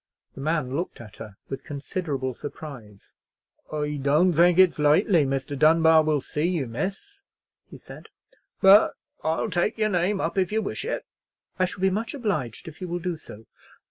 The man looked at her with considerable surprise. "I don't think it's likely Mr. Dunbar will see you, miss," he said; "but I'll take your name up if you wish it." "I shall be much obliged if you will do so."